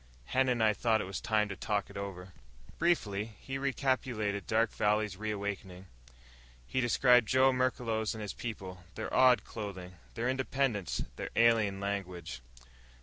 Hen and I thought it was time to talk it over." Briefly he recapitulated Dark Valley's reawakening. He described Joe Merklos and his people their odd clothing, their independence, their alien language.